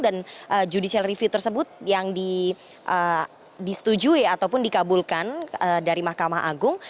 dan judicial review tersebut yang disetujui ataupun dikabulkan dari mahkamah agung